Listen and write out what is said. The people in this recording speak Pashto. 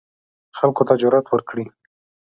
خلکو ته جرئت ورکړي